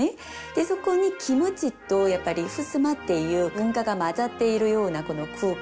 そこに「キムチ」と「ふすま」っていう文化が混ざっているようなこの空間。